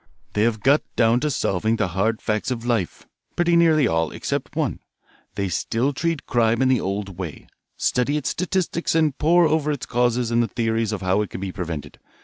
They have got down to solving the hard facts of life pretty nearly all, except one. They still treat crime in the old way, study its statistics and pore over its causes and the theories of how it can be prevented.